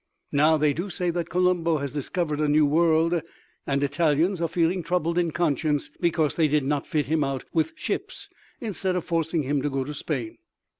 Now, they do say that Colombo has discovered a new world, and Italians are feeling troubled in conscience because they did not fit him out with ships instead of forcing him to go to Spain.